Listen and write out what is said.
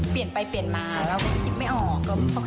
เปลี่ยนไปเปลี่ยนมาเราก็คิดไม่ออก